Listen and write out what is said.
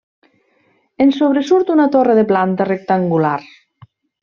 En sobresurt una torre de planta rectangular.